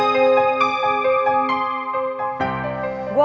gue gak butuh